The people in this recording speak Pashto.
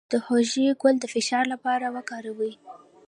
د هوږې ګل د فشار لپاره وکاروئ